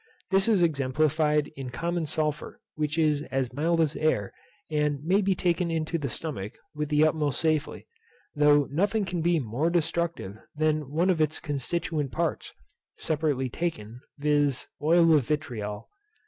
This is exemplified in common sulphur, which is as mild as air, and may be taken into the stomach with the utmost safety, though nothing can be more destructive than one of its constituent parts, separately taken, viz. oil of vitriol.